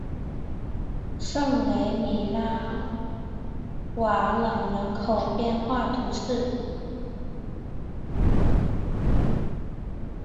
圣雷米拉瓦朗人口变化图示